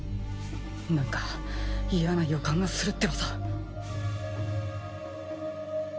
なんか嫌な予感がするってばさ。